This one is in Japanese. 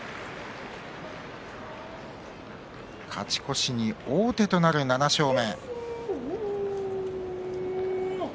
勝ち越しに王手となる７勝目。